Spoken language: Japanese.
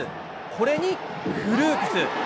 これにクルークス。